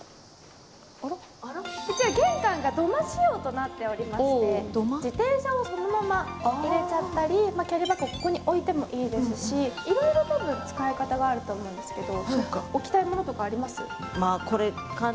玄関が土間仕様となっておりまして自転車をそのまま入れちゃったりキャリーバッグを置いてもいいですしいろいろと使い方があると思うんですけど。